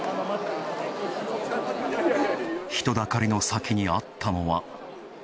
人だかりの先にあったのは。